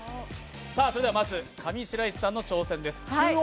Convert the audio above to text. まず上白石さんの挑戦です。